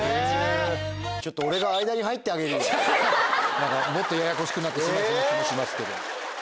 何かもっとややこしくなってしまいそうな気もしますけど。